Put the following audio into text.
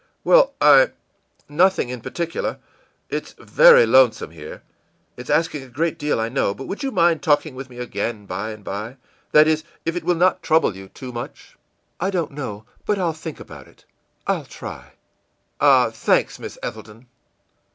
î ìWell, I well, nothing in particular. It's very lonesome here. It's asking a great deal, I know, but would you mind talking with me again by and by that is, if it will not trouble you too much?î ìI don't know but I'll think about it. I'll try.î ìOh, thanks! Miss Ethelton!...